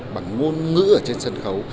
bằng ngôn ngữ ở trên sân khấu